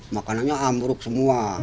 makanannya hambruk semua